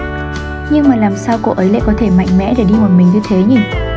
nhưng mà làm sao cô ấy lại có thể mạnh mẽ để đi ngoài mình như thế nhỉ